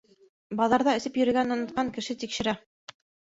Баҙарҙа эсеп йөрөгәнен онотҡан, кеше тикшерә!